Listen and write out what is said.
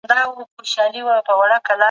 اسلام په هر څه کي میانه روي کوي.